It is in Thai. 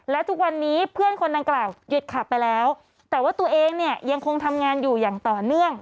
และทุกวันนี้เพื่อนคนดังกล่าวหยุดขับไปแล้วแต่ว่าตัวเองเนี่ยยังคงทำงานอยู่อย่างต่อเนื่อง